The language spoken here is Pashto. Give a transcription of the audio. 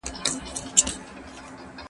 زه به منډه وهلې وي